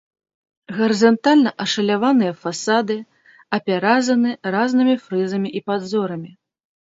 Гарызантальна ашаляваныя фасады апяразаны разнымі фрызамі і падзорамі.